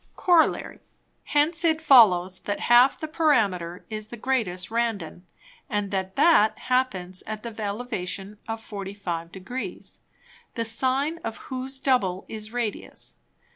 _ Corollary. Hence it follows, that half the Parameter is the greatest Randon, and that that happens at the Elevation of 45 Degrees, the Sine of whose double is Radius.